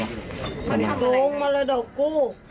พระต่ายสวดมนต์